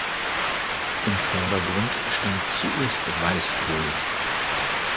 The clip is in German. Im Vordergrund stand zuerst Weißkohl.